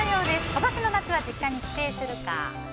今年の夏は実家に帰省するか。